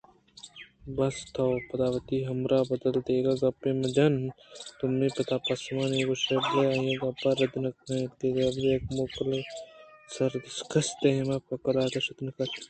بس تو پدا وتی ہمراہ ءِ بدل ءَ دگہ گپ مہ جن دومی ءَ پہ پشومانی گوٛشتبلئے آئی ءِ گپ رد نہ اِنت کہ ابید یک موکل نامہ ئے ءَ کس دیم پہ قلات ءَ شت نہ کنت